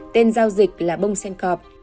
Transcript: tên giao dịch là bông sen cọp